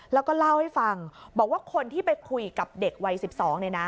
แล้วก็เล่าให้ฟังบอกว่าคนที่ไปคุยกับเด็กวัย๑๒เนี่ยนะ